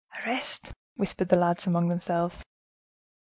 "Arrest!" whispered the lads among themselves.